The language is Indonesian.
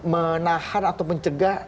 menahan atau mencegah